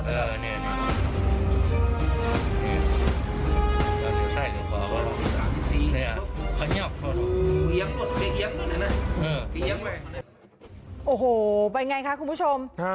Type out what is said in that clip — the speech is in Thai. โอ้โหเป็นไงคะคุณผู้ชม